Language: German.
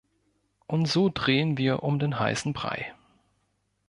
Und so drehen wir um den heißen Brei.